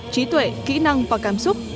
trí tuệ kỹ năng và cảm xúc